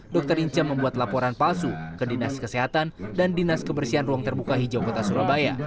dr inca membuat laporan palsu ke dinas kesehatan dan dinas kebersihan ruang terbuka hijau kota surabaya